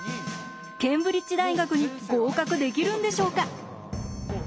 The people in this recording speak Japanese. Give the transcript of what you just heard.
ケンブリッジ大学に合格できるんでしょうか？